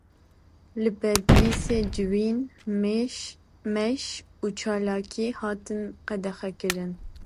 Li Bedlîsê civîn, meş û çalakî hatin qedexekirin.